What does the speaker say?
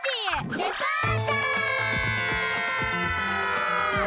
デパーチャー！